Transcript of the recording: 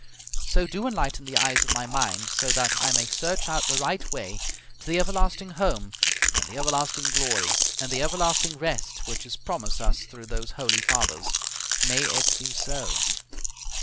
So do enlighten the eyes of my mind so that I may search out the right way to the everlasting home and the everlasting glory, and the everlasting rest which is promised us through those holy fathers. May it be so!